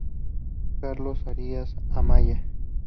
Carlos Arias Amaya.